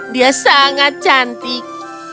dia sangat cantik